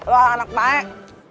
wah anak baik